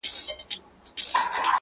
o سېمابي سوی له کراره وځم,